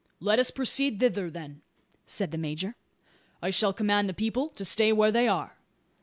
"Let us proceed thither, then," said the major. "I shall command the people to stay where they are."